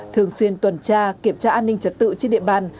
thường xuyên tuần tra kiểm tra an ninh trật tự trên địa bàn